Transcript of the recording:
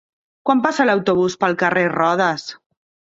Quan passa l'autobús pel carrer Rodes?